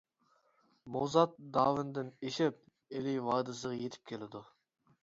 مۇزات داۋىنىدىن ئېشىپ ئىلى ۋادىسىغا يېتىپ كېلىدۇ.